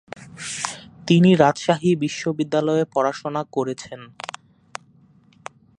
তিনি রাজশাহী বিশ্ববিদ্যালয়ে পড়াশোনা করেছেন।